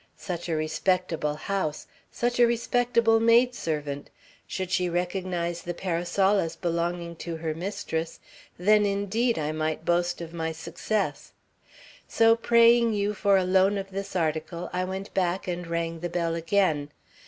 Such a respectable house! Such a respectable maidservant! Should she recognize the parasol as belonging to her mistress, then, indeed, I might boast of my success. So praying you for a loan of this article, I went back and rang the bell again.